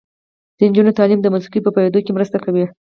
د نجونو تعلیم د موسیقۍ په پوهیدو کې مرسته کوي.